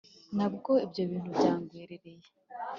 Na bwo ibyo bintu byangwiririye